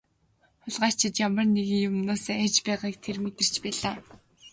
Хулгайлагчид ямар нэгэн юмнаас айж байгааг тэр мэдэрч байлаа.